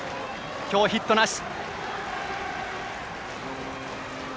今日はヒットなし。